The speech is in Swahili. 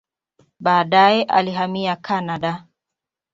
Baadaye alihamia Kanada.